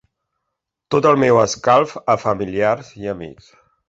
Tot el meu escalf a familiars i amics.